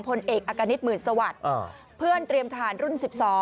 พลเอกอากานิตหมื่นสวัสดิ์เพื่อนเตรียมทหารรุ่น๑๒